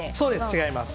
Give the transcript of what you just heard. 違いますね。